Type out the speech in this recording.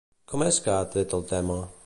Com és que ha tret el tema?